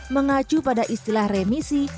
mengacu pada istilah remisi